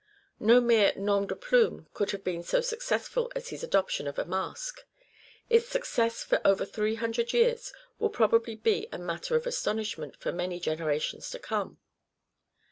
No mere nom de plume could have been so successful as his adoption of a mask : its success for over three hundred years will probably be a matter of astonishment for many generations to come.